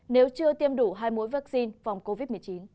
nếu chưa tiêm đủ hai mũi vaccine phòng covid một mươi chín